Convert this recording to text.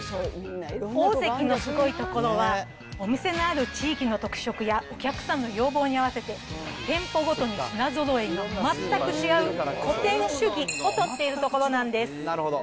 オオゼキのすごいところは、お店のある地域の特色やお客さんの要望に合わせて、店舗ごとに品ぞろえが全く違う、個店主義を取っているところなんです。